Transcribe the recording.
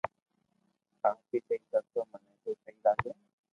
آپ ھي سھي ڪر تو مني تو سھي لاگي